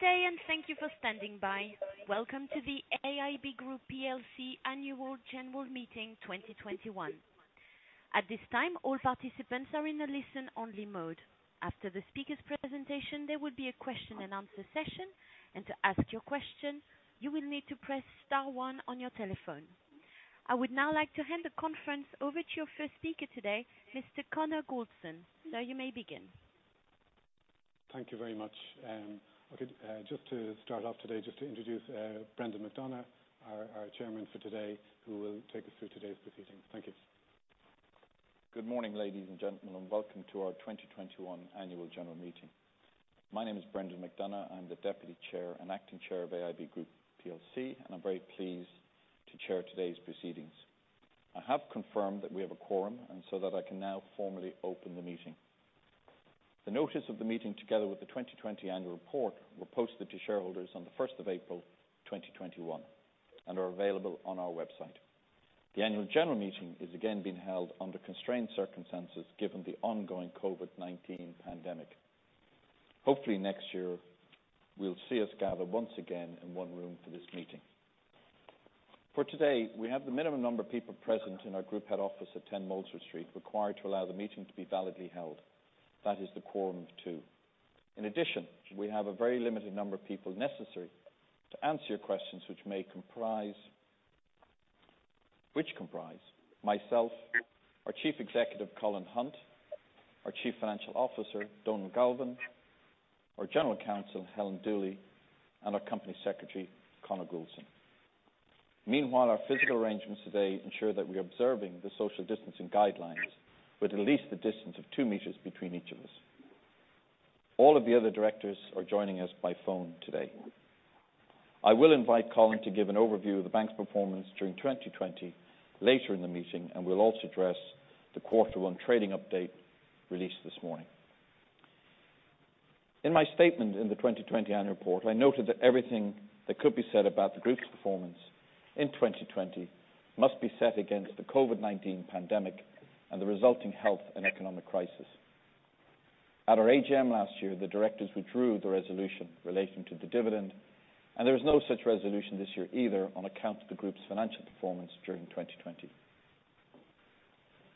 Good day, and thank you for standing by. Welcome to the AIB Group plc Annual General Meeting 2021. At this time, all participants are in a listen-only mode. After the speakers' presentation, there will be a question and answer session, and to ask your question, you will need to press star one on your telephone. I would now like to hand the conference over to your first speaker today, Mr. Conor Gouldson. Sir, you may begin. Thank you very much. Okay, just to start off today, just to introduce Brendan McDonagh, our chairman for today, who will take us through today's proceedings. Thank you. Good morning, ladies and gentlemen, welcome to our 2021 annual general meeting. My name is Brendan McDonagh. I'm the Deputy Chair and Acting Chair of AIB Group plc, and I'm very pleased to chair today's proceedings. I have confirmed that we have a quorum, so that I can now formally open the meeting. The notice of the meeting, together with the 2020 annual report, were posted to shareholders on the 1st of April, 2021, and are available on our website. The annual general meeting is again being held under constrained circumstances given the ongoing COVID-19 pandemic. Hopefully next year, we'll see us gather once again in one room for this meeting. For today, we have the minimum number of people present in our group head office at 10 Molesworth Street required to allow the meeting to be validly held. That is the quorum of two. In addition, we have a very limited number of people necessary to answer your questions, which comprise myself, our Chief Executive, Colin Hunt, our Chief Financial Officer, Donal Galvin, our General Counsel, Helen Dooley, and our Company Secretary, Conor Gouldson. Meanwhile, our physical arrangements today ensure that we are observing the social distancing guidelines with at least a distance of 2 m between each of us. All of the other directors are joining us by phone today. I will invite Colin to give an overview of the bank's performance during 2020 later in the meeting, and we'll also address the quarter one trading update released this morning. In my statement in the 2020 annual report, I noted that everything that could be said about the group's performance in 2020 must be set against the COVID-19 pandemic and the resulting health and economic crisis. At our AGM last year, the directors withdrew the resolution relating to the dividend, and there is no such resolution this year either on account of the group's financial performance during 2020.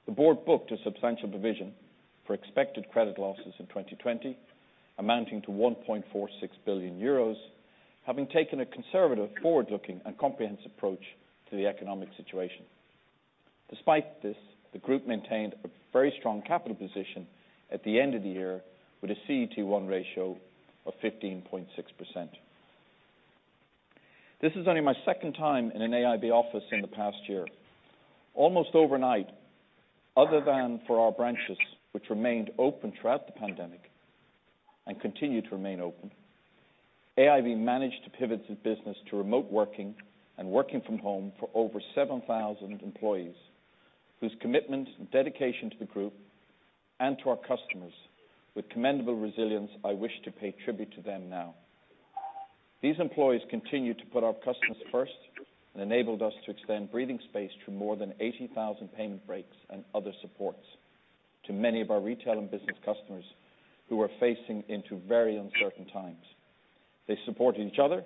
The board booked a substantial provision for expected credit losses in 2020, amounting to 1.46 billion euros, having taken a conservative, forward-looking, and comprehensive approach to the economic situation. Despite this, the group maintained a very strong capital position at the end of the year with a CET1 ratio of 15.6%. This is only my second time in an AIB office in the past year. Almost overnight, other than for our branches, which remained open throughout the pandemic, and continue to remain open, AIB managed to pivot its business to remote working and working from home for over 7,000 employees whose commitment and dedication to the Group and to our customers with commendable resilience, I wish to pay tribute to them now. These employees continue to put our customers first and enabled us to extend breathing space through more than 80,000 payment breaks and other supports to many of our retail and business customers who are facing into very uncertain times. They supported each other,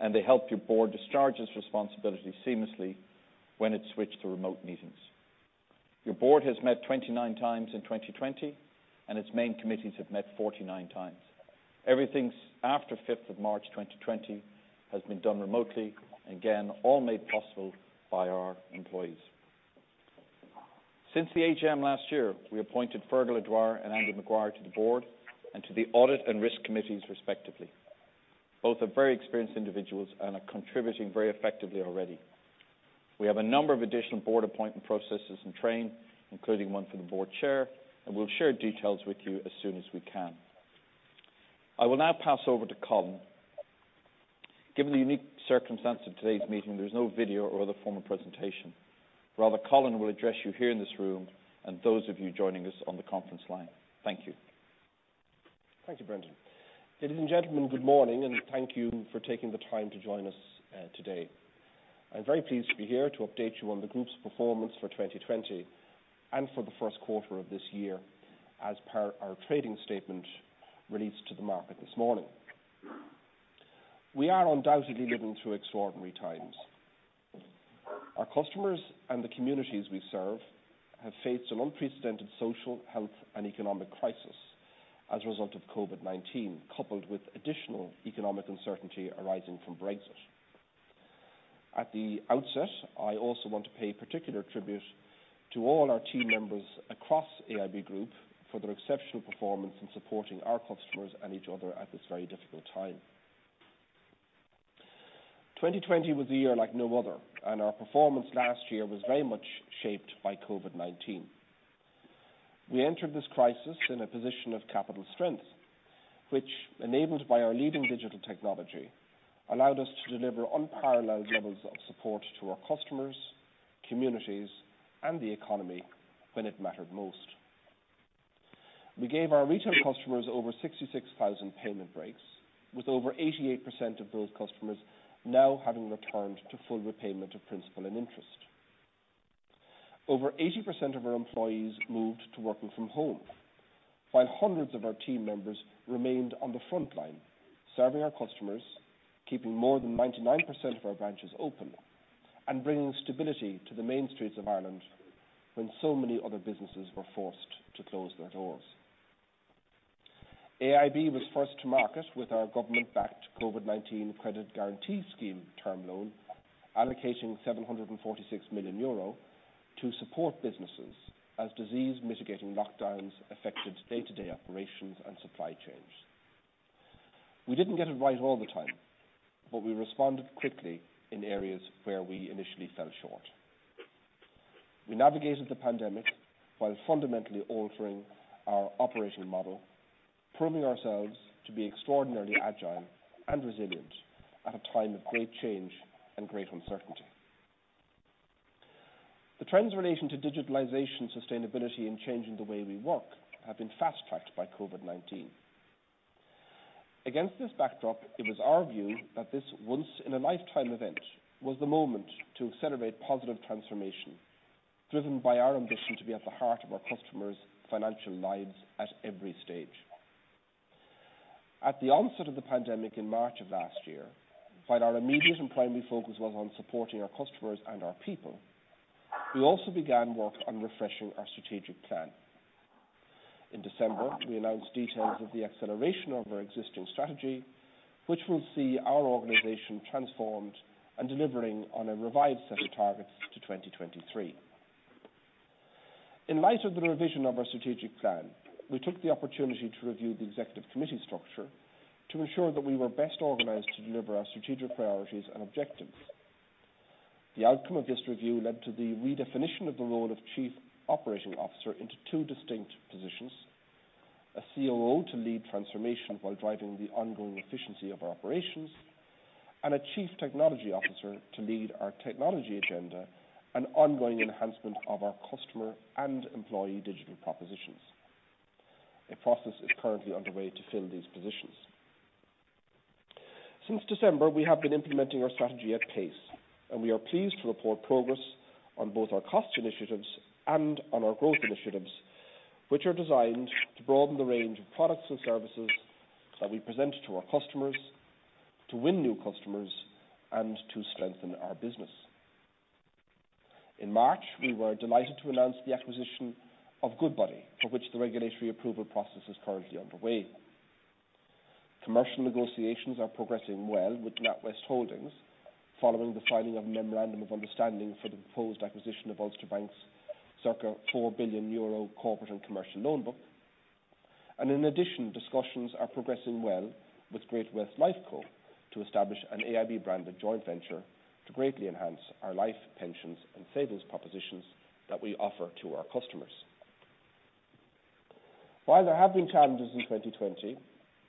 and they helped your Board discharge its responsibility seamlessly when it switched to remote meetings. Your Board has met 29 times in 2020, and its main committees have met 49 times. Everything after 5th of March 2020 has been done remotely, again, all made possible by our employees. Since the AGM last year, we appointed Fergal O'Dwyer and Andy Maguire to the board and to the audit and risk committees, respectively. Both are very experienced individuals and are contributing very effectively already. We have a number of additional board appointment processes in train, including one for the board chair, and we'll share details with you as soon as we can. I will now pass over to Colin. Given the unique circumstance of today's meeting, there's no video or other form of presentation. Rather, Colin will address you here in this room and those of you joining us on the conference line. Thank you. Thank you, Brendan. Ladies and gentlemen, good morning, and thank you for taking the time to join us today. I'm very pleased to be here to update you on the Group's performance for 2020 and for the first quarter of this year, as per our trading statement released to the market this morning. We are undoubtedly living through extraordinary times. Our customers and the communities we serve have faced an unprecedented social, health, and economic crisis as a result of COVID-19, coupled with additional economic uncertainty arising from Brexit. At the outset, I also want to pay particular tribute to all our team members across AIB Group for their exceptional performance in supporting our customers and each other at this very difficult time. 2020 was a year like no other, and our performance last year was very much shaped by COVID-19. We entered this crisis in a position of capital strength, which, enabled by our leading digital technology, allowed us to deliver unparalleled levels of support to our customers, communities, and the economy when it mattered most. We gave our retail customers over 66,000 payment breaks, with over 88% of those customers now having returned to full repayment of principal and interest. Over 80% of our employees moved to working from home, while hundreds of our team members remained on the frontline, serving our customers, keeping more than 99% of our branches open, and bringing stability to the main streets of Ireland when so many other businesses were forced to close their doors. AIB was first to market with our government-backed COVID-19 Credit Guarantee Scheme term loan, allocating 746 million euro to support businesses as disease-mitigating lockdowns affected day-to-day operations and supply chains. We didn't get it right all the time. We responded quickly in areas where we initially fell short. We navigated the pandemic while fundamentally altering our operating model, proving ourselves to be extraordinarily agile and resilient at a time of great change and great uncertainty. The trends in relation to digitalization, sustainability, and changing the way we work have been fast-tracked by COVID-19. Against this backdrop, it was our view that this once-in-a-lifetime event was the moment to accelerate positive transformation, driven by our ambition to be at the heart of our customers' financial lives at every stage. At the onset of the pandemic in March of last year, while our immediate and primary focus was on supporting our customers and our people, we also began work on refreshing our strategic plan. In December, we announced details of the acceleration of our existing strategy, which will see our organization transformed and delivering on a revised set of targets to 2023. In light of the revision of our strategic plan, we took the opportunity to review the executive committee structure to ensure that we were best organized to deliver our strategic priorities and objectives. The outcome of this review led to the redefinition of the role of Chief Operating Officer into two distinct positions, a COO to lead transformation while driving the ongoing efficiency of our operations, and a Chief Technology Officer to lead our technology agenda and ongoing enhancement of our customer and employee digital propositions. A process is currently underway to fill these positions. Since December, we have been implementing our strategy at pace, and we are pleased to report progress on both our cost initiatives and on our growth initiatives, which are designed to broaden the range of products and services that we present to our customers, to win new customers, and to strengthen our business. In March, we were delighted to announce the acquisition of Goodbody, for which the regulatory approval process is currently underway. Commercial negotiations are progressing well with NatWest Holdings following the filing of a memorandum of understanding for the proposed acquisition of Ulster Bank's circa 4 billion euro corporate and commercial loan book. In addition, discussions are progressing well with Great-West Lifeco to establish an AIB-branded joint venture to greatly enhance our life, pensions, and savings propositions that we offer to our customers. While there have been challenges in 2020,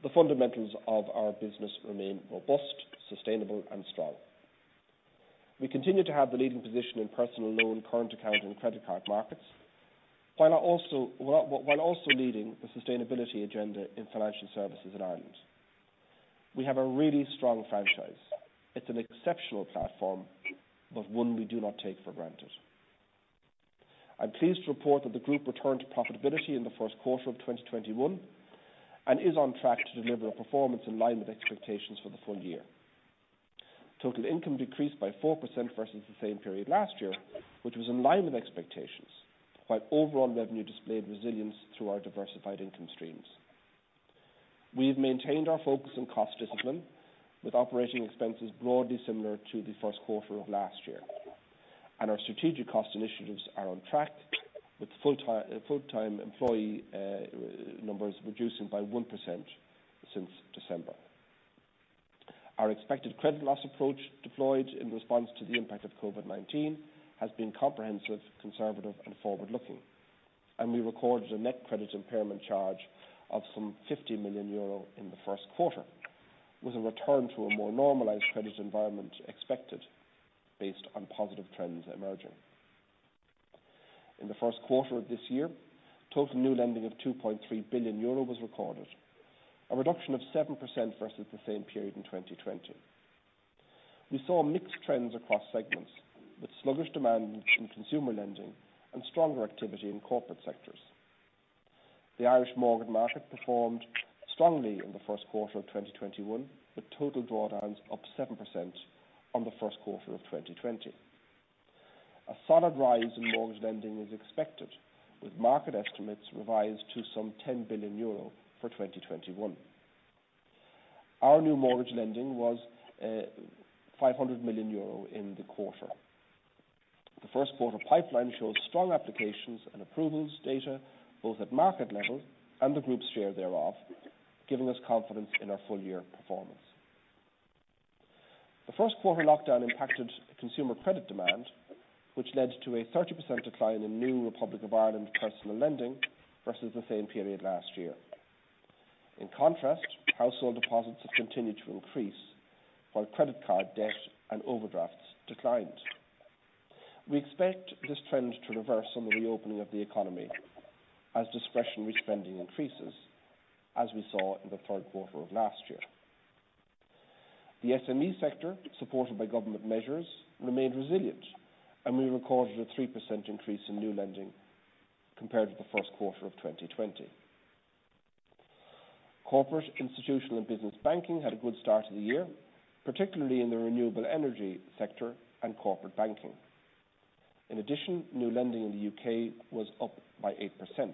the fundamentals of our business remain robust, sustainable, and strong. We continue to have the leading position in personal loan, current account, and credit card markets, while also leading the sustainability agenda in financial services in Ireland. We have a really strong franchise. It's an exceptional platform, but one we do not take for granted. I'm pleased to report that the group returned to profitability in the first quarter of 2021, and is on track to deliver a performance in line with expectations for the full year. Total income decreased by 4% versus the same period last year, which was in line with expectations, while overall revenue displayed resilience through our diversified income streams. We have maintained our focus on cost discipline, with operating expenses broadly similar to the first quarter of last year. Our strategic cost initiatives are on track, with full-time employee numbers reducing by 1% since December. Our expected credit loss approach deployed in response to the impact of COVID-19 has been comprehensive, conservative, and forward-looking, and we recorded a net credit impairment charge of some 50 million euro in the first quarter, with a return to a more normalized credit environment expected based on positive trends emerging. In the first quarter of this year, total new lending of 2.3 billion euro was recorded, a reduction of 7% versus the same period in 2020. We saw mixed trends across segments, with sluggish demand in consumer lending and stronger activity in corporate sectors. The Irish mortgage market performed strongly in the first quarter of 2021, with total drawdowns up 7% on the first quarter of 2020. A solid rise in mortgage lending is expected, with market estimates revised to some 10 billion euro for 2021. Our new mortgage lending was 500 million euro in the quarter. The first-quarter pipeline shows strong applications and approvals data, both at market level and the group's share thereof, giving us confidence in our full-year performance. The first-quarter lockdown impacted consumer credit demand, which led to a 30% decline in new Republic of Ireland personal lending versus the same period last year. In contrast, household deposits have continued to increase while credit card debt and overdrafts declined. We expect this trend to reverse on the reopening of the economy as discretionary spending increases, as we saw in the third quarter of last year. The SME sector, supported by government measures, remained resilient, and we recorded a 3% increase in new lending compared to the first quarter of 2020. Corporate, institutional, and business banking had a good start to the year, particularly in the renewable energy sector and corporate banking. In addition, new lending in the U.K. was up by 8%.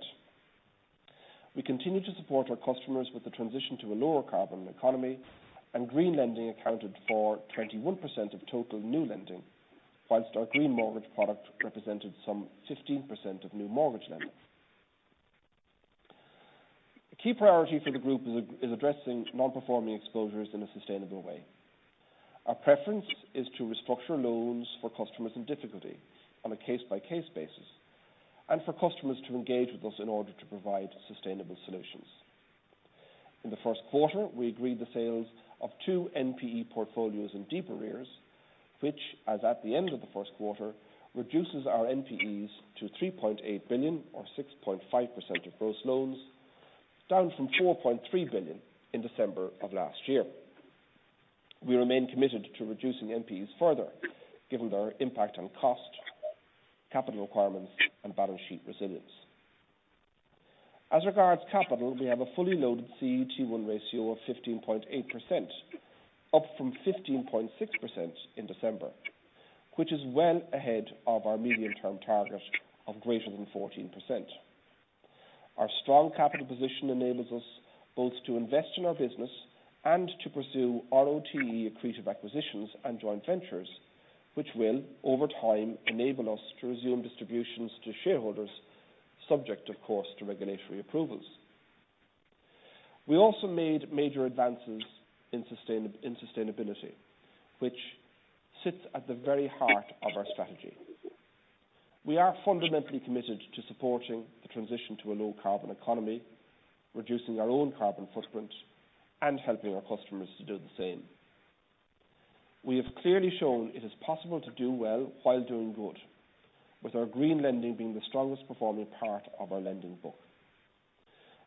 We continue to support our customers with the transition to a lower carbon economy, and green lending accounted for 21% of total new lending, whilst our green mortgage product represented some 15% of new mortgage lending. A key priority for the group is addressing non-performing exposures in a sustainable way. Our preference is to restructure loans for customers in difficulty on a case-by-case basis, and for customers to engage with us in order to provide sustainable solutions. In the first quarter, we agreed the sales of two NPE portfolios and deep arrears, which, as at the end of the first quarter, reduces our NPEs to 3.8 billion, or 6.5% of gross loans, down from 4.3 billion in December of last year. We remain committed to reducing NPEs further given their impact on cost, capital requirements, and balance sheet resilience. As regards capital, we have a fully loaded CET1 ratio of 15.8%, up from 15.6% in December, which is well ahead of our medium-term target of greater than 14%. Our strong capital position enables us both to invest in our business and to pursue ROTE accretive acquisitions and joint ventures, which will, over time, enable us to resume distributions to shareholders, subject, of course, to regulatory approvals. We also made major advances in sustainability, which sits at the very heart of our strategy. We are fundamentally committed to supporting the transition to a low carbon economy, reducing our own carbon footprint, and helping our customers to do the same. We have clearly shown it is possible to do well while doing good, with our green lending being the strongest performing part of our lending book.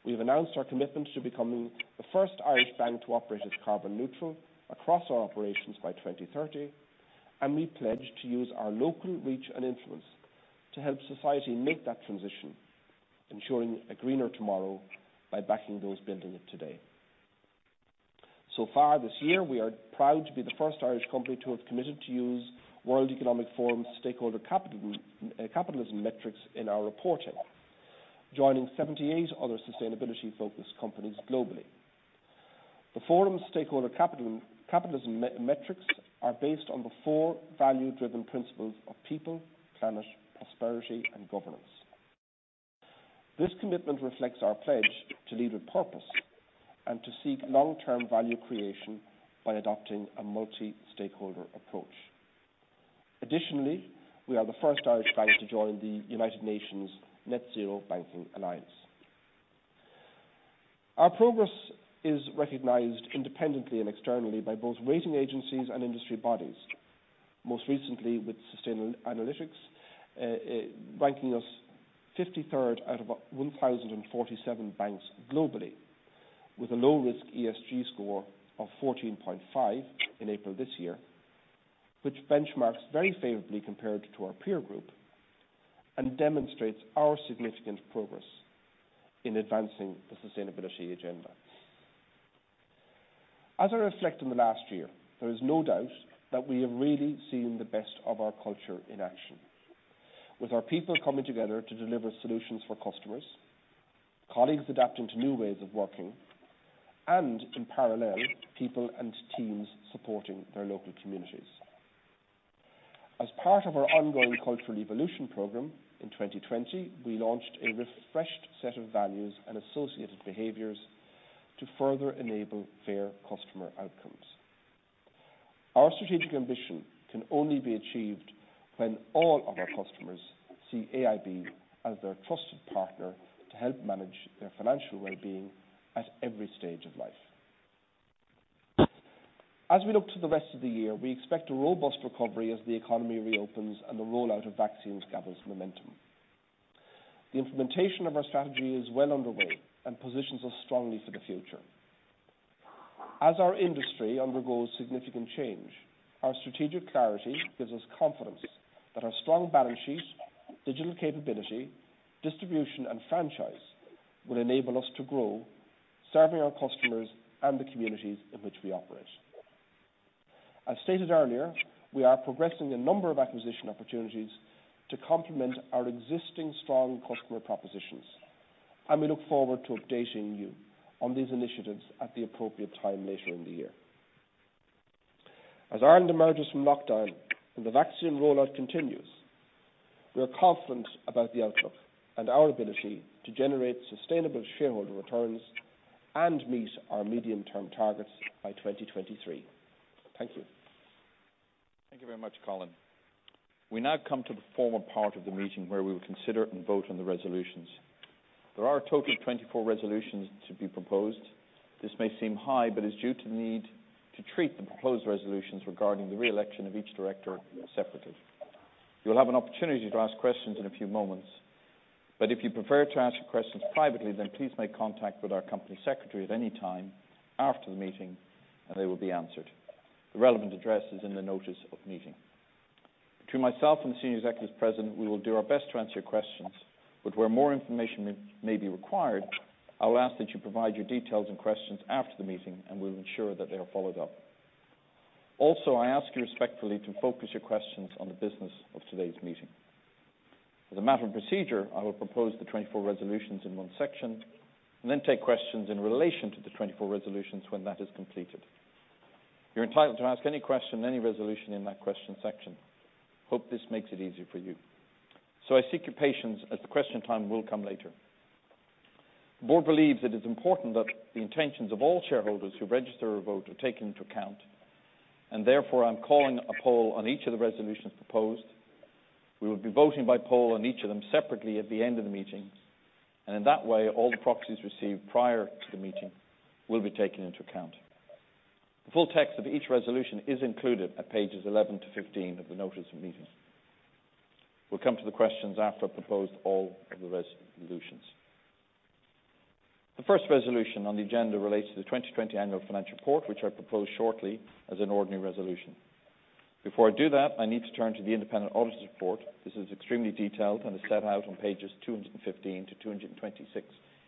We've announced our commitment to becoming the first Irish bank to operate as carbon neutral across our operations by 2030, and we pledge to use our local reach and influence to help society make that transition, ensuring a greener tomorrow by backing those building it today. Far this year, we are proud to be the first Irish company to have committed to use World Economic Forum's Stakeholder Capitalism Metrics in our reporting, joining 78 other sustainability-focused companies globally. The Forum's Stakeholder Capitalism Metrics are based on the four value-driven principles of people, planet, prosperity, and governance. This commitment reflects our pledge to lead with purpose and to seek long-term value creation by adopting a multi-stakeholder approach. Additionally, we are the first Irish bank to join the United Nations Net Zero Banking Alliance. Our progress is recognized independently and externally by both rating agencies and industry bodies, most recently with Sustainalytics, ranking us 53rd out of 1,047 banks globally, with a low-risk ESG score of 14.5 in April this year, which benchmarks very favorably compared to our peer group and demonstrates our significant progress in advancing the sustainability agenda. As I reflect on the last year, there is no doubt that we have really seen the best of our culture in action, with our people coming together to deliver solutions for customers, colleagues adapting to new ways of working, and, in parallel, people and teams supporting their local communities. As part of our ongoing cultural evolution program in 2020, we launched a refreshed set of values and associated behaviors to further enable fair customer outcomes. Our strategic ambition can only be achieved when all of our customers see AIB as their trusted partner to help manage their financial well-being at every stage of life. As we look to the rest of the year, we expect a robust recovery as the economy reopens and the rollout of vaccines gathers momentum. The implementation of our strategy is well underway and positions us strongly for the future. As our industry undergoes significant change, our strategic clarity gives us confidence that our strong balance sheet, digital capability, distribution, and franchise will enable us to grow, serving our customers and the communities in which we operate. As stated earlier, we are progressing a number of acquisition opportunities to complement our existing strong customer propositions, and we look forward to updating you on these initiatives at the appropriate time later in the year. As Ireland emerges from lockdown and the vaccine rollout continues, we are confident about the outlook and our ability to generate sustainable shareholder returns and meet our medium-term targets by 2023. Thank you. Thank you very much, Colin. We now come to the formal part of the meeting, where we will consider and vote on the resolutions. There are a total of 24 resolutions to be proposed. This may seem high, but it's due to the need to treat the proposed resolutions regarding the re-election of each director separately. You'll have an opportunity to ask questions in a few moments. If you prefer to ask your questions privately, then please make contact with our company secretary at any time after the meeting, and they will be answered. The relevant address is in the notice of meeting. Between myself and the senior executives present, we will do our best to answer your questions, but where more information may be required, I'll ask that you provide your details and questions after the meeting, and we'll ensure that they are followed up. I ask you respectfully to focus your questions on the business of today's meeting. As a matter of procedure, I will propose the 24 resolutions in one section and then take questions in relation to the 24 resolutions when that is completed. You're entitled to ask any question on any resolution in that question section. Hope this makes it easier for you. I seek your patience as the question time will come later. The board believes it is important that the intentions of all shareholders who register a vote are taken into account, and therefore, I'm calling a poll on each of the resolutions proposed. We will be voting by poll on each of them separately at the end of the meeting, and in that way, all the proxies received prior to the meeting will be taken into account. The full text of each resolution is included at pages 11-15 of the notice of meeting. We'll come to the questions after I've proposed all of the resolutions. The first resolution on the agenda relates to the 2020 annual financial report, which I propose shortly as an ordinary resolution. Before I do that, I need to turn to the independent auditor's report. This is extremely detailed and is set out on pages 215-226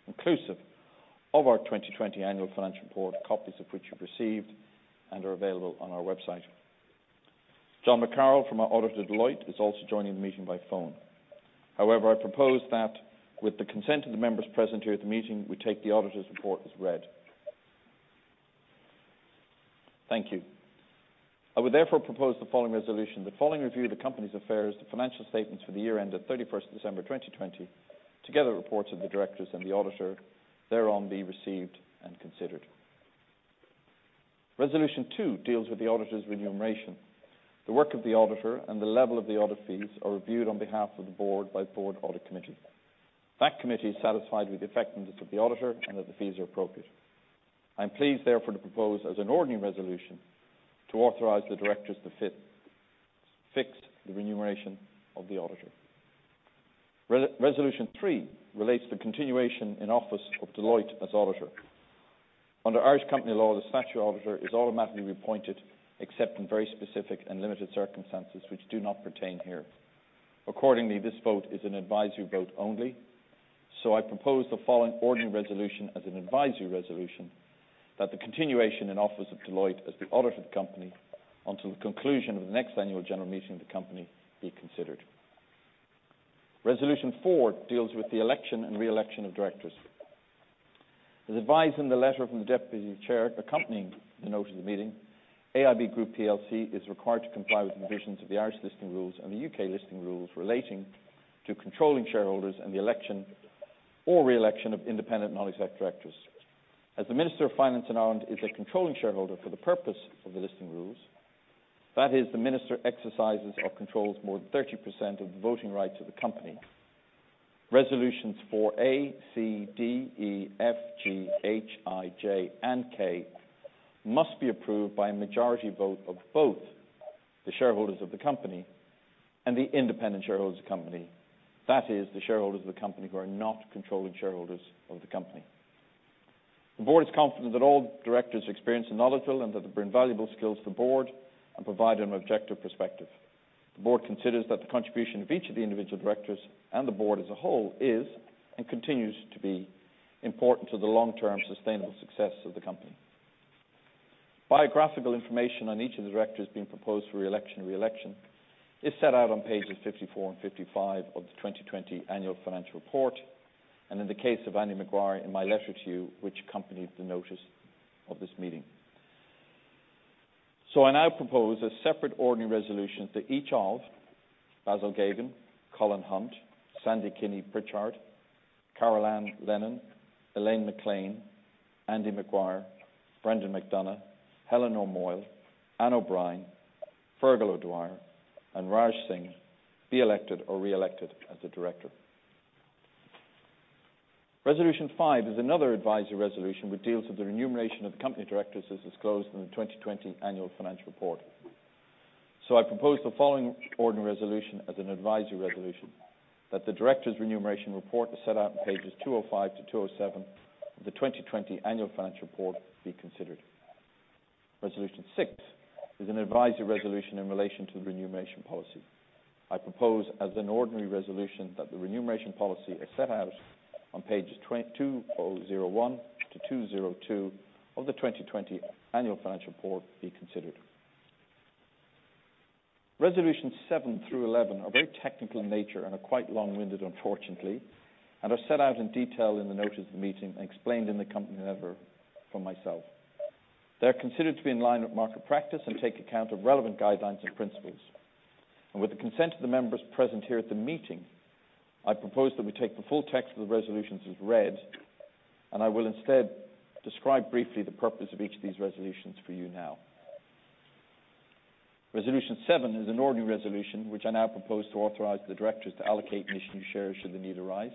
inclusive of our 2020 annual financial report, copies of which you've received and are available on our website. John McCarroll from our auditor, Deloitte, is also joining the meeting by phone. I propose that with the consent of the members present here at the meeting, we take the auditor's report as read. Thank you. I would therefore propose the following resolution, that following review of the company's affairs, the financial statements for the year ended 31st December 2020, together reports of the directors and the auditor thereon be received and considered. Resolution two deals with the auditor's remuneration. The work of the auditor and the level of the audit fees are reviewed on behalf of the board by board audit committee. That committee is satisfied with the effectiveness of the auditor and that the fees are appropriate. I am pleased, therefore, to propose as an ordinary resolution to authorize the directors to fix the remuneration of the auditor. Resolution three relates to continuation in office of Deloitte as auditor. Under Irish company law, the statutory auditor is automatically reappointed except in very specific and limited circumstances which do not pertain here. Accordingly, this vote is an advisory vote only. I propose the following ordinary resolution as an advisory resolution that the continuation in office of Deloitte as the auditor of the company until the conclusion of the next annual general meeting of the company be considered. Resolution 4 deals with the election and re-election of directors. As advised in the letter from the deputy chair accompanying the notice of the meeting, AIB Group PLC is required to comply with the provisions of the Irish listing rules and the UK listing rules relating to controlling shareholders and the election or re-election of independent non-exec directors. As the Minister for Finance in Ireland is a controlling shareholder for the purpose of the listing rules, that is, the Minister exercises or controls more than 30% of the voting rights of the company, resolutions 4A, C, D, E, F, G, H, I, J, and K must be approved by a majority vote of both the shareholders of the company and the independent shareholders of the company. That is, the shareholders of the company who are not controlling shareholders of the company. The Board is confident that all directors are experienced and knowledgeable, and that they bring valuable skills to the Board and provide an objective perspective. The Board considers that the contribution of each of the individual directors and the Board as a whole is and continues to be important to the long-term sustainable success of the company. Biographical information on each of the directors being proposed for election or re-election is set out on pages 54 and 55 of the 2020 annual financial report, and in the case of Andy Maguire, in my letter to you, which accompanied the notice of this meeting. I now propose a separate ordinary resolution to each of Basil Geoghegan, Colin Hunt, Sandy Kinney Pritchard, Carolan Lennon, Elaine MacLean, Andy Maguire, Brendan McDonagh, Helen Normoyle, Ann O'Brien, Fergal O'Dwyer, and Raj Singh be elected or re-elected as a director. Resolution 5 is another advisory resolution which deals with the remuneration of the company directors as disclosed in the 2020 annual financial report. I propose the following ordinary resolution as an advisory resolution, that the directors' remuneration report as set out on pages 205-207 of the 2020 annual financial report be considered. Resolution six is an advisory resolution in relation to the remuneration policy. I propose as an ordinary resolution that the remuneration policy as set out on pages 201-202 of the 2020 annual financial report be considered. Resolutions 7 through 11 are very technical in nature and are quite long-winded, unfortunately, and are set out in detail in the notice of the meeting and explained in the company letter from myself. They're considered to be in line with market practice and take account of relevant guidelines and principles. With the consent of the members present here at the meeting, I propose that we take the full text of the resolutions as read, and I will instead describe briefly the purpose of each of these resolutions for you now. Resolution 7 is an ordinary resolution which I now propose to authorize the directors to allocate and issue shares should the need arise.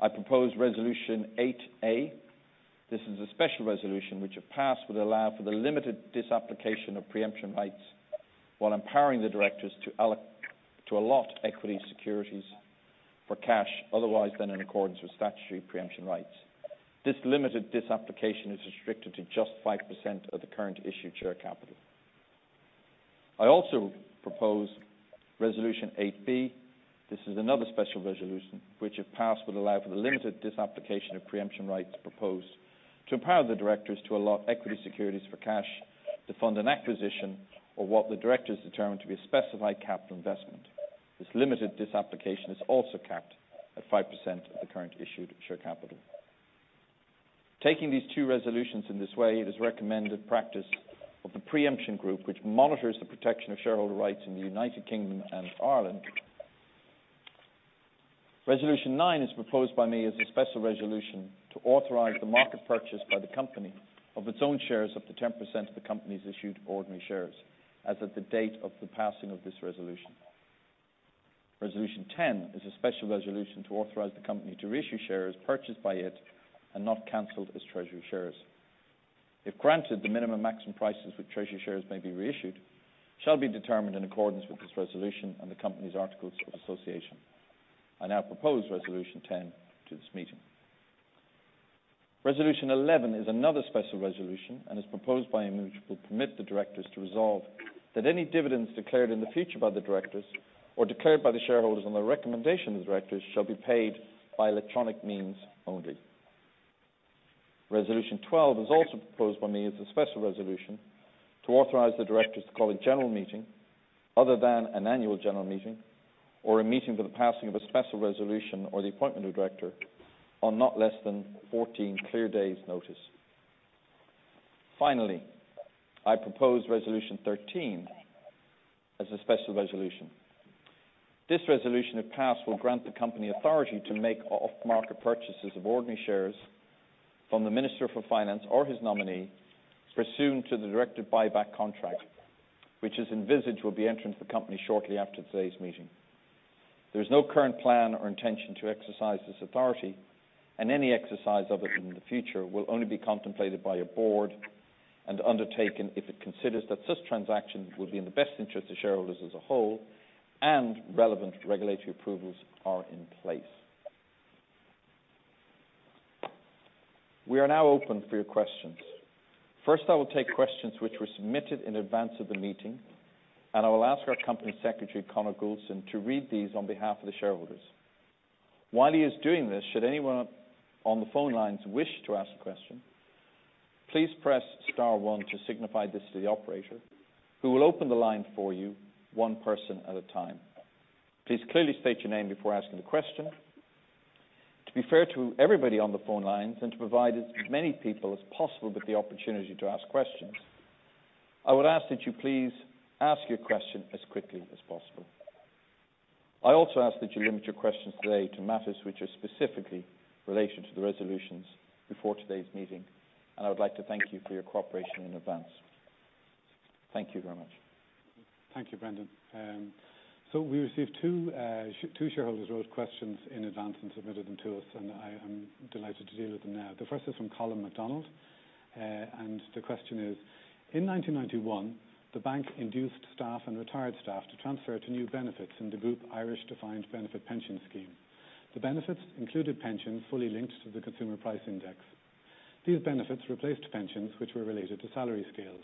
I propose Resolution 8A. This is a special resolution which, if passed, would allow for the limited disapplication of pre-emption rights while empowering the directors to allot equity securities for cash, otherwise than in accordance with statutory pre-emption rights. This limited disapplication is restricted to just 5% of the current issued share capital. I also propose Resolution 8B. This is another special resolution, which, if passed, would allow for the limited disapplication of pre-emption rights proposed to empower the directors to allot equity securities for cash to fund an acquisition of what the directors determine to be a specified capital investment. This limited disapplication is also capped at 5% of the current issued share capital. Taking these two resolutions in this way, it is recommended practice of the Pre-emption Group, which monitors the protection of shareholder rights in the United Kingdom and Ireland. Resolution 9 is proposed by me as a special resolution to authorize the market purchase by the company of its own shares up to 10% of the company's issued ordinary shares as of the date of the passing of this Resolution. Resolution 10 is a special resolution to authorize the company to reissue shares purchased by it and not canceled as treasury shares. If granted, the minimum maximum prices with treasury shares may be reissued, shall be determined in accordance with this Resolution and the company's articles of association. I now propose Resolution 10 to this meeting. Resolution 11 is another special resolution and is proposed by me which will permit the directors to resolve that any dividends declared in the future by the directors or declared by the shareholders on the recommendation of the directors, shall be paid by electronic means only. Resolution 12 is also proposed by me as a special resolution to authorize the directors to call a general meeting, other than an annual general meeting or a meeting for the passing of a special resolution or the appointment of director on not less than 14 clear days' notice. Finally, I propose Resolution 13 as a special resolution. This resolution, if passed, will grant the company authority to make off-market purchases of ordinary shares from the Minister for Finance or his nominee, pursuant to the directed buyback contract, which is envisaged will be entering the company shortly after today's meeting. There is no current plan or intention to exercise this authority, and any exercise of it in the future will only be contemplated by a board and undertaken if it considers that such transactions will be in the best interest of shareholders as a whole and relevant regulatory approvals are in place. We are now open for your questions. First, I will take questions which were submitted in advance of the meeting, and I will ask our company secretary, Conor Gouldson, to read these on behalf of the shareholders. While he is doing this, should anyone on the phone lines wish to ask a question, please press star one to signify this to the operator, who will open the line for you one person at a time. Please clearly state your name before asking the question. To be fair to everybody on the phone lines and to provide as many people as possible with the opportunity to ask questions, I would ask that you please ask your question as quickly as possible. I also ask that you limit your questions today to matters which are specifically in relation to the resolutions before today's meeting, and I would like to thank you for your cooperation in advance. Thank you very much. Thank you, Brendan. We received two shareholders wrote questions in advance and submitted them to us, I am delighted to deal with them now. The first is from Colin McDonald, the question is: In 1991, the bank induced staff and retired staff to transfer to new benefits in the group Irish Defined Benefit Pension Scheme. The benefits included pension fully linked to the consumer price index. These benefits replaced pensions which were related to salary scales.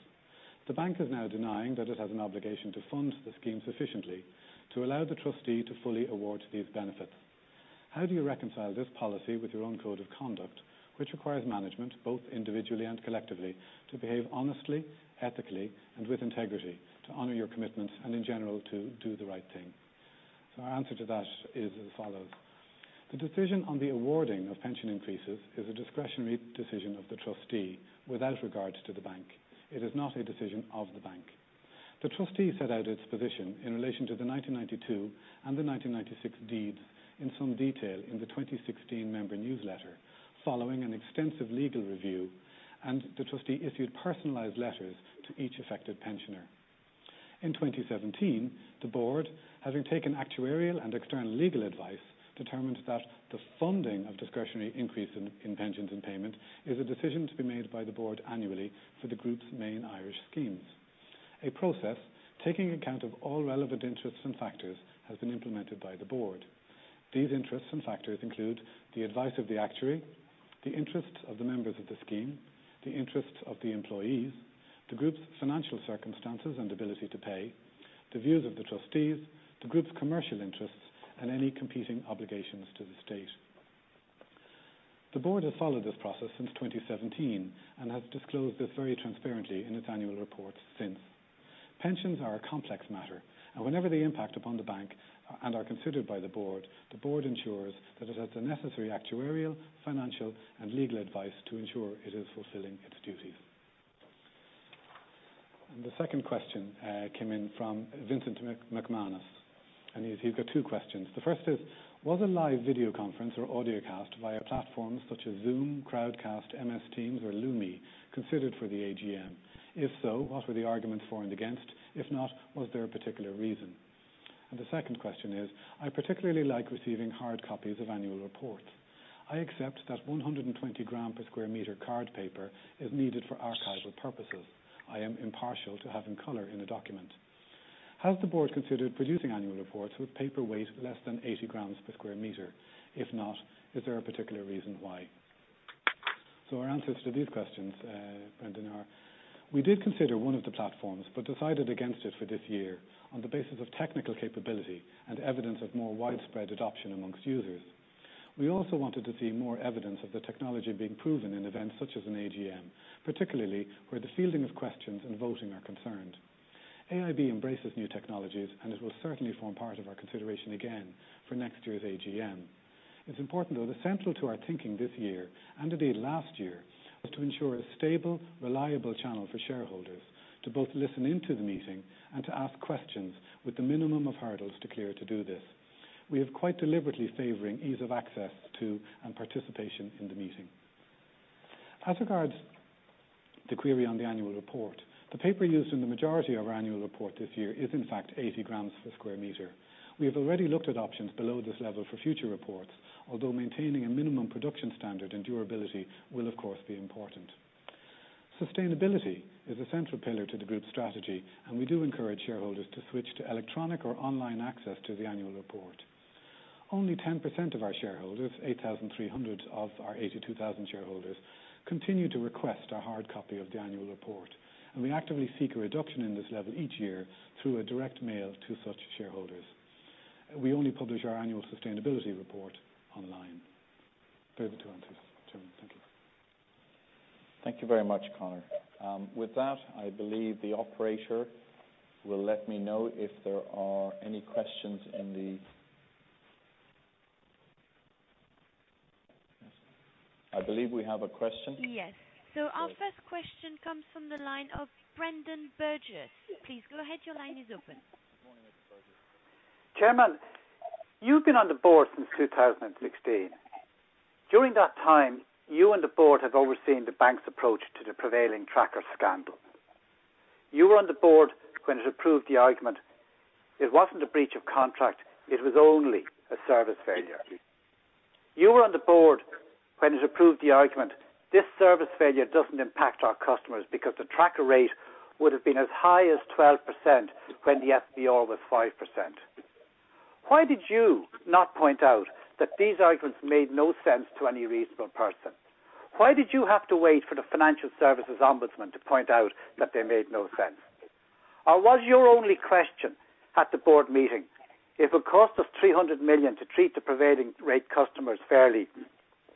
The bank is now denying that it has an obligation to fund the scheme sufficiently to allow the trustee to fully award these benefits. How do you reconcile this policy with your own code of conduct, which requires management, both individually and collectively, to behave honestly, ethically, and with integrity, to honor your commitments, and in general, to do the right thing? Our answer to that is as follows. The decision on the awarding of pension increases is a discretionary decision of the trustee without regard to the bank. It is not a decision of the bank. The trustee set out its position in relation to the 1992 and the 1996 deeds in some detail in the 2016 member newsletter following an extensive legal review. The trustee issued personalized letters to each affected pensioner. In 2017, the board, having taken actuarial and external legal advice, determined that the funding of discretionary increase in pensions and payment is a decision to be made by the board annually for the group's main Irish schemes. A process taking account of all relevant interests and factors has been implemented by the board. These interests and factors include the advice of the actuary, the interests of the members of the scheme, the interests of the employees, the group's financial circumstances and ability to pay, the views of the trustees, the group's commercial interests, and any competing obligations to the state. The board has followed this process since 2017 and has disclosed this very transparently in its annual report since. Pensions are a complex matter, and whenever they impact upon the bank and are considered by the board, the board ensures that it has the necessary actuarial, financial, and legal advice to ensure it is fulfilling its duties. The second question came in from Vincent McManus, and he's got two questions. The first is: Was a live video conference or audiocast via platforms such as Zoom, Crowdcast, MS Teams, or Lumi considered for the AGM? If so, what were the arguments for and against? If not, was there a particular reason? The second question is, "I particularly like receiving hard copies of annual reports. I accept that 120 grams per square meter card paper is needed for archival purposes. I am impartial to having color in a document. Has the board considered producing annual reports with paper weight less than 80 g/sq m? If not, is there a particular reason why?" Our answers to these questions, Brendan, are, we did consider one of the platforms, but decided against it for this year on the basis of technical capability and evidence of more widespread adoption amongst users. We also wanted to see more evidence of the technology being proven in events such as an AGM, particularly where the fielding of questions and voting are concerned. AIB embraces new technologies. It will certainly form part of our consideration again for next year's AGM. It's important, though, that central to our thinking this year, and indeed last year, was to ensure a stable, reliable channel for shareholders to both listen in to the meeting and to ask questions with the minimum of hurdles to clear to do this. We have quite deliberately favoring ease of access to and participation in the meeting. As regards the query on the annual report, the paper used in the majority of our annual report this year is in fact 80 g/sq m. We have already looked at options below this level for future reports, although maintaining a minimum production standard and durability will of course be important. Sustainability is a central pillar to the group's strategy. We do encourage shareholders to switch to electronic or online access to the annual report. Only 10% of our shareholders, 8,300 of our 82,000 shareholders, continue to request a hard copy of the annual report, and we actively seek a reduction in this level each year through a direct mail to such shareholders. We only publish our annual sustainability report online. Those are the two answers, Chairman. Thank you. Thank you very much, Conor. With that, I believe the operator will let me know if there are any questions. I believe we have a question. Yes. Our first question comes from the line of Brendan Burgess. Please go ahead, your line is open. Good morning. Mr. Burgess. Chairman, you've been on the board since 2016. During that time, you and the board have overseen the bank's approach to the prevailing tracker scandal. You were on the board when it approved the argument, it wasn't a breach of contract, it was only a service failure. You were on the board when it approved the argument, this service failure doesn't impact our customers because the tracker rate would've been as high as 12% when the SVR was 5%. Why did you not point out that these arguments made no sense to any reasonable person? Why did you have to wait for the Financial Services Ombudsman to point out that they made no sense? Was your only question at the board meeting, "If it cost us 300 million to treat the prevailing rate customers fairly,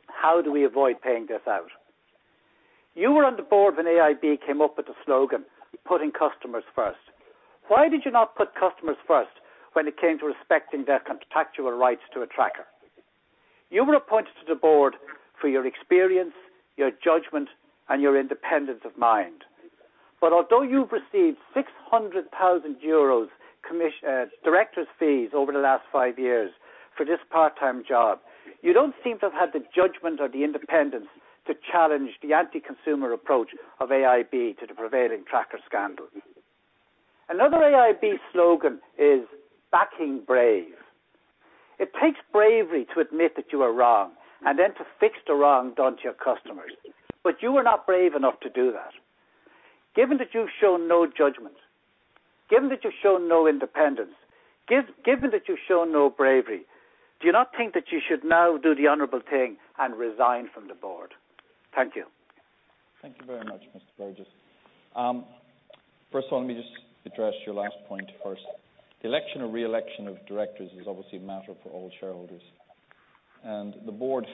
how do we avoid paying this out?" You were on the board when AIB came up with the slogan, "Putting customers first." Why did you not put customers first when it came to respecting their contractual rights to a tracker? You were appointed to the board for your experience, your judgment, and your independence of mind. Although you've received 600,000 euros director's fees over the last five years for this part-time job, you don't seem to have had the judgment or the independence to challenge the anti-consumer approach of AIB to the prevailing tracker scandal. Another AIB slogan is, "Backing brave." It takes bravery to admit that you are wrong and then to fix the wrong done to your customers, but you were not brave enough to do that. Given that you've shown no judgment, given that you've shown no independence, given that you've shown no bravery, do you not think that you should now do the honorable thing and resign from the board? Thank you. Thank you very much, Mr. Burgess. First of all, let me just address your last point first. The election or re-election of directors is obviously a matter for all shareholders, and the board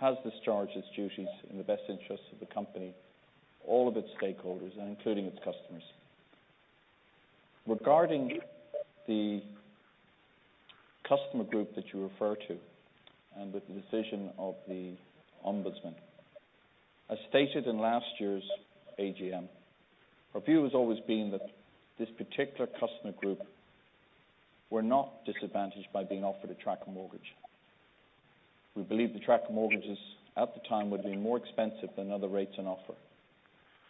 has discharged its duties in the best interests of the company, all of its stakeholders, and including its customers. Regarding the customer group that you refer to and with the decision of the Ombudsman, as stated in last year's AGM, our view has always been that this particular customer group were not disadvantaged by being offered a tracker mortgage. We believe the tracker mortgages at the time would've been more expensive than other rates on offer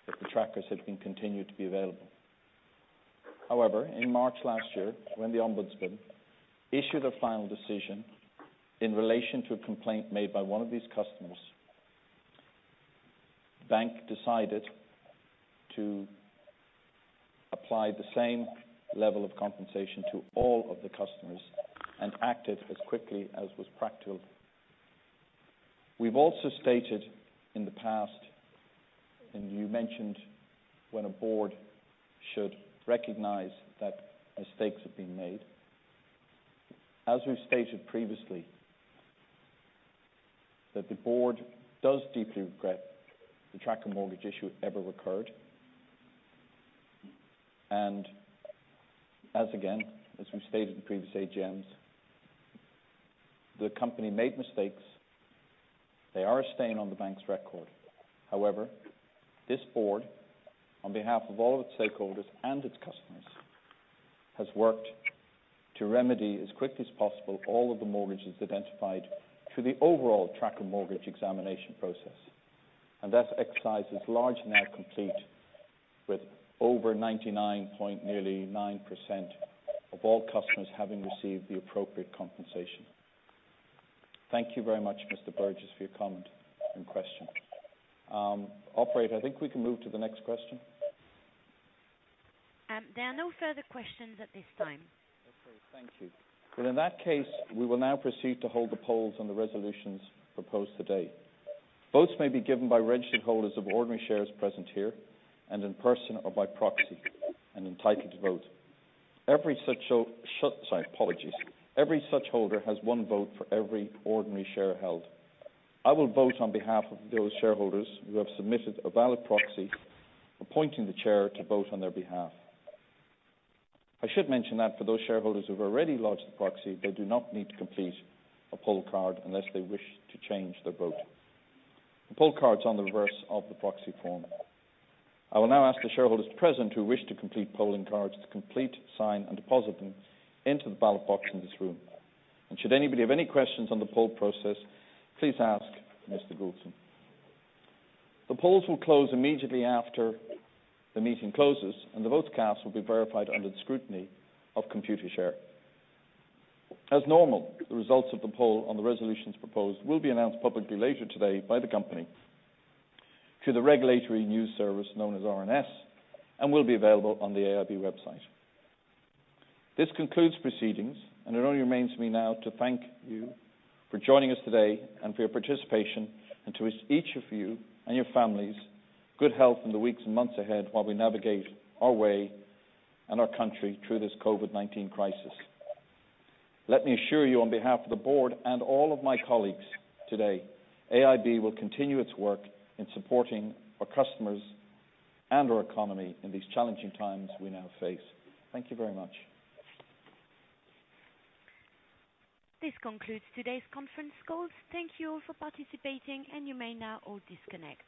if the trackers had been continued to be available. In March last year, when the Ombudsman issued a final decision in relation to a complaint made by one of these customers, the bank decided to apply the same level of compensation to all of the customers and acted as quickly as was practical. We've also stated in the past, and you mentioned when a board should recognize that mistakes have been made, as we've stated previously, that the board does deeply regret the Tracker Mortgage Issue ever occurred, and as again, as we've stated in previous AGMs, the company made mistakes. They are a stain on the bank's record. However, this board, on behalf of all of its stakeholders and its customers, has worked to remedy as quickly as possible all of the mortgages identified through the overall tracker mortgage examination process. That exercise is largely now complete with over 99.9% of all customers having received the appropriate compensation. Thank you very much, Mr. Burgess, for your comment and question. Operator, I think we can move to the next question. There are no further questions at this time. Thank you. Well, in that case, we will now proceed to hold the polls on the resolutions proposed today. Votes may be given by registered holders of ordinary shares present here and in person or by proxy and entitled to vote. Every such holder has one vote for every ordinary share held. I will vote on behalf of those shareholders who have submitted a valid proxy appointing the chair to vote on their behalf. I should mention that for those shareholders who have already lodged the proxy, they do not need to complete a poll card unless they wish to change their vote. The poll card's on the reverse of the proxy form. I will now ask the shareholders present who wish to complete polling cards to complete, sign, and deposit them into the ballot box in this room. Should anybody have any questions on the poll process, please ask Mr. Gouldson. The polls will close immediately after the meeting closes, and the votes cast will be verified under the scrutiny of Computershare. As normal, the results of the poll on the resolutions proposed will be announced publicly later today by the company through the Regulatory News Service known as RNS and will be available on the AIB website. This concludes proceedings, and it only remains me now to thank you for joining us today and for your participation and to wish each of you and your families good health in the weeks and months ahead while we navigate our way and our country through this COVID-19 crisis. Let me assure you on behalf of the board and all of my colleagues today, AIB will continue its work in supporting our customers and our economy in these challenging times we now face. Thank you very much. This concludes today's conference call. Thank you all for participating, and you may now all disconnect.